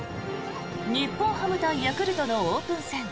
日本ハム対ヤクルトのオープン戦